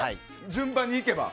順番にいけば。